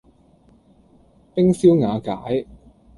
冰消瓦解